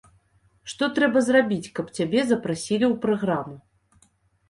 Што трэба зрабіць, каб цябе запрасілі ў праграму?